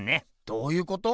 どういうこと？